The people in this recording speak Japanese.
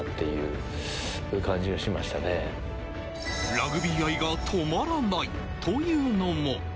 ラグビー愛が止まらない！というのも。